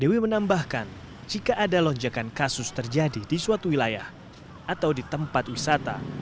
dewi menambahkan jika ada lonjakan kasus terjadi di suatu wilayah atau di tempat wisata